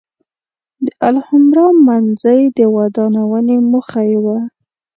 د الحمرأ منځۍ د ودانونې موخه یې وه.